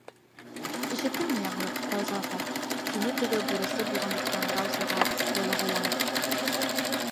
Ишеттеңме яңылыҡ, Рауза апай? - тине теге бурысы булғанлыҡтан Раузаға ялағайланып.